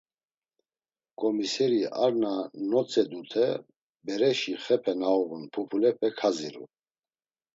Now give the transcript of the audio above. Ǩomiseri ar na notzedute bereşi xepe na uğun pupulepe kaziru.